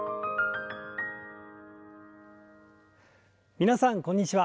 皆さんこんにちは。